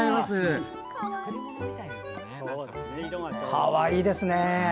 かわいいですね。